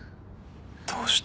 どうして？